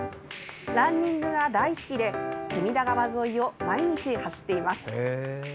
ランニングが大好きで隅田川沿いを毎日走っています。